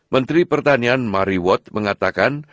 menteri pertanian marie watt mengatakan